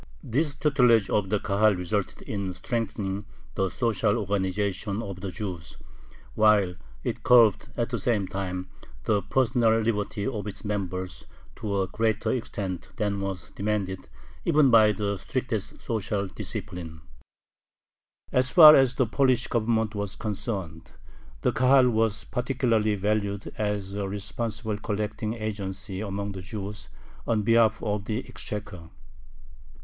This tutelage of the Kahal resulted in strengthening the social organization of the Jews, while it curbed at the same time the personal liberty of its members to a greater extent than was demanded even by the strictest social discipline. As far as the Polish Government was concerned, the Kahal was particularly valued as a responsible collecting agency among the Jews on behalf of the exchequer.